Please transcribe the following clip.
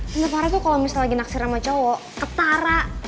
tante farah tuh kalo misalnya lagi naksir sama cowok ketara